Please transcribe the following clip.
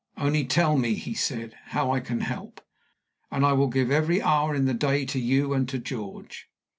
"Only tell me," he said, "how I can help, and I will give every hour in the day to you and to George."